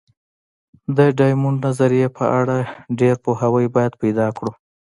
د ډایمونډ نظریې په اړه ډېر پوهاوی باید پیدا کړو.